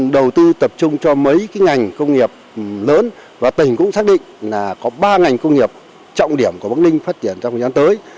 đầu tư tập trung cho mấy cái ngành công nghiệp lớn và tỉnh cũng xác định là có ba ngành công nghiệp trọng điểm của bắc ninh phát triển trong thời gian tới